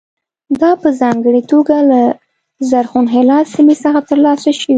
دا په ځانګړې توګه له زرغون هلال سیمې څخه ترلاسه شوي.